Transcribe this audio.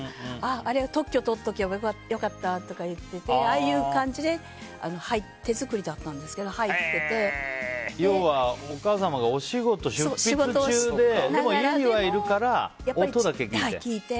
あれ、特許を取っておけばよかったって言っていてああいう感じで手作りなんですけど要はお母様がお仕事、執筆中ででも、家にはいるから音だけ聞いて。